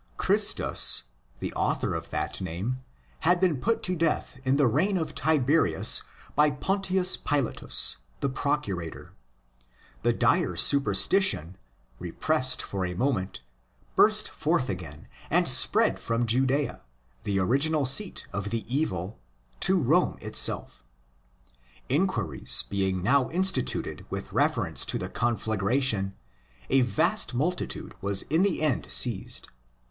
Christus, the author of that name, had been put to death in the reign of Tiberius by Pontius Pilatus, the Procurator. The dire superstition (exitiabilis superstitio), repressed for ἃ moment, burst forth again, and spread from Judea, the original seat of the evil, to Rome itself. Inquiries being now instituted with reference to the conflagration, a vast multitude was in the end seized.